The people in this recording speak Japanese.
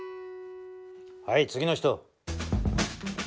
はい次の人。